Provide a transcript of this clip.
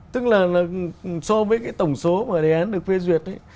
tức là so với cái tổng số mà đề án được phê duyệt ấy